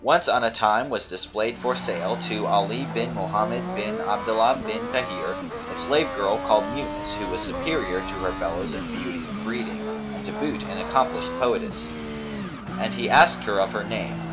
Once on a time was displayed for sale to Ali bin Mohammed bin Abdallah bin Tαhir[FN#252] a slave girl called Muunis who was superior to her fellows in beauty and breeding, and to boot an accomplished poetess; and he asked her of her name.